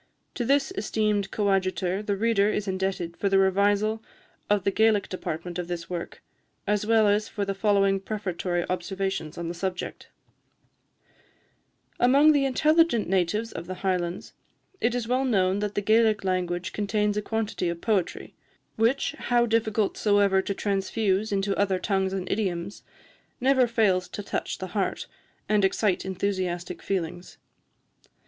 To this esteemed co adjutor the reader is indebted for the revisal of the Gaelic department of this work, as well as for the following prefatory observations on the subject: "Among the intelligent natives of the Highlands, it is well known that the Gaelic language contains a quantity of poetry, which, how difficult soever to transfuse into other tongues and idioms, never fails to touch the heart, and excite enthusiastic feelings.